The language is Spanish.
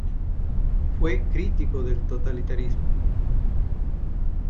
Fue crítico del totalitarismo.